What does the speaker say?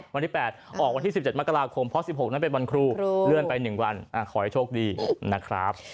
วันที่๘ออกวันที่๑๗มกราคมเพราะ๑๖นั้นเป็นวันครูเลื่อนไป๑วันขอให้โชคดีนะครับ